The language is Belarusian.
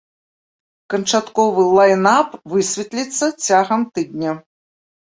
Канчатковы лайнап высветліцца цягам тыдня.